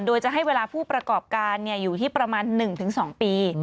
โดยจะให้เวลาผู้ประกอบการอยู่ที่ประมาณ๑๒ปี